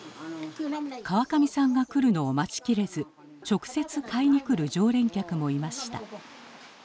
川上さんが来るのを待ちきれず直接買いにくる常連客もいました。